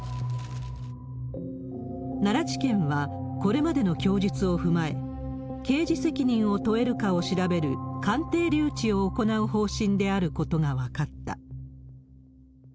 奈良地検は、これまでの供述を踏まえ、刑事責任を問えるかを調べる鑑定留置を行う方針であることが分かった。